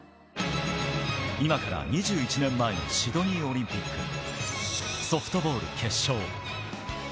今から２１年前のシドニーオリンピック、ソフトボール、決勝。